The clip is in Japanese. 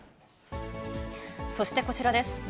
そしてこちらです。